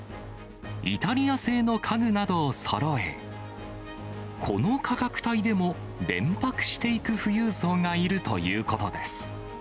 イタリア製の家具などをそろえ、この価格帯でも連泊していく富裕層がいるということです。